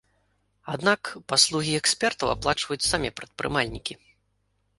Аднак паслугі экспертаў аплачваюць самі прадпрымальнікі.